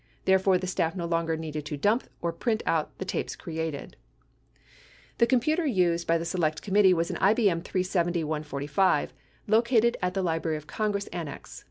Therefore, the staff no longer needed to "dump" or print out the tapes created.* The computer used by the Select Committee was an IBM 370/145 located at the Library of Congress Annex.